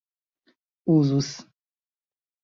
uzus